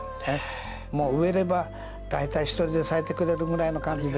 もう植えれば大体一人で咲いてくれるぐらいの感じですから。